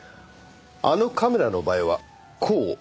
あのカメラの場合はこうですよね。